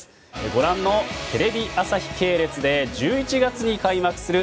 ご覧のテレビ朝日系列で１１月に開幕するＦＩＦＡ